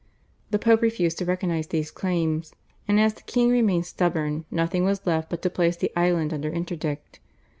The Pope refused to recognise these claims, and as the king remained stubborn nothing was left but to place the island under interdict.